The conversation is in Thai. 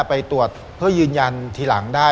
ไปตรวจเพื่อยืนยันทีหลังได้